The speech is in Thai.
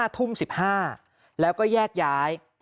๕ทุ่ม๑๕แล้วก็แยกย้าย